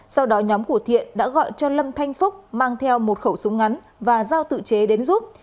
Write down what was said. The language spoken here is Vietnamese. sau đó nhóm của thiện đã gọi cho lâm thanh phúc mang theo một khẩu súng ngắn và giao tự chế đến giúp